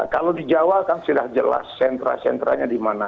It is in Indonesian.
kalau di jawa kan sudah jelas sentra sentranya di mana